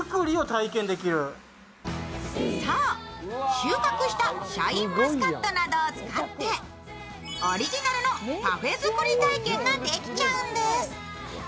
そう、収穫したシャインマスカットなどを使ってオリジナルのパフェ作り体験ができちゃうんです。